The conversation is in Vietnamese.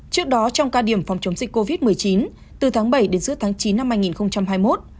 trước đó trong cao điểm phòng chống dịch covid một mươi chín từ tháng bảy đến giữa tháng chín năm hai nghìn hai mươi một